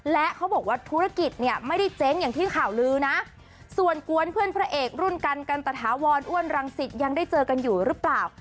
และเขาบอกว่าธุรกิจเนี่ยไม่ได้เจ๊งอย่างที่ข่าวลือนะส่วนกวนเพื่อนพระเอกรุ่นกันกันตะถาวรอ้วนรังสิตยังได้เจอกันอยู่หรือเปล่า